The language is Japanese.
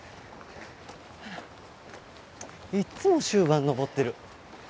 いっつも終盤上ってる。